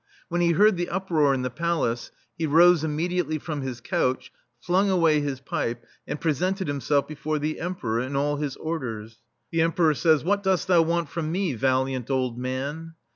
When he heard the uproar in the palace, he rose immediately from his couch, flung away his pipe, and pre sented himself before the Emperor in all his Orders. The Emperor says: " What dost thou want from me, valiant old man